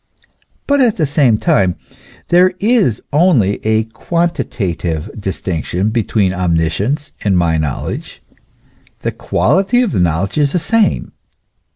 But at the same time there is only a quantitative distinction between omniscience and my know ledge; the quality of the knowledge is the same.